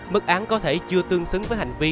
mức án có thể chưa tương xứng với hành vi